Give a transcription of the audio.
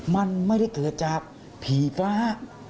มันไม่ได้เกิดจากผีฟ้า